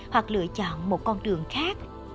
hoặc lựa chọn một con đường khác